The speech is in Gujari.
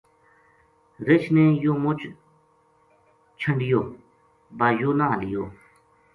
رچھ نے یوہ مُچ چھَنڈیو با یوہ نہ ہلیو